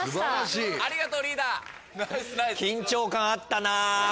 緊張感あったな。